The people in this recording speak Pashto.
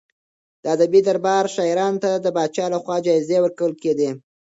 د ادبي دربار شاعرانو ته د پاچا لخوا جايزې ورکول کېدې.